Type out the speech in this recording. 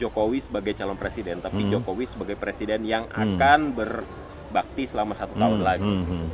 jokowi sebagai calon presiden tapi jokowi sebagai presiden yang akan berbakti selama satu tahun lagi